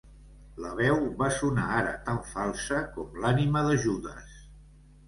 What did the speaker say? La veu va sonar ara tan falsa com l'ànima de Judes.